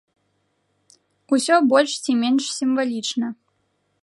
Усё больш ці менш сімвалічна.